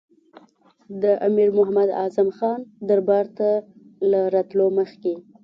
د امیر محمد اعظم خان دربار ته له راتللو مخکې.